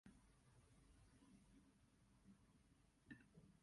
А я шкадую, што адвучылася пяць гадоў.